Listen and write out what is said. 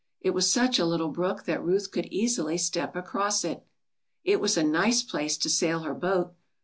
It was such a little brook that Ruth could easily step across it. It was a nice place to sail her boat.